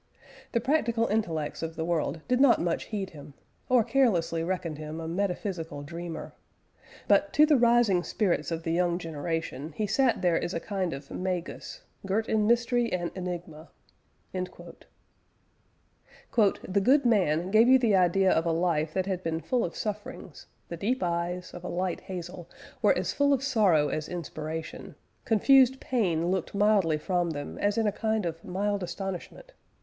The practical intellects of the world did not much heed him, or carelessly reckoned him a metaphysical dreamer; but to the rising spirits of the young generation he sat there as a kind of Magus, girt in mystery and enigma...." "The good man ... gave you the idea of a life that had been full of sufferings ... the deep eyes, of a light hazel, were as full of sorrow as inspiration; confused pain looked mildly from them, as in a kind of mild astonishment.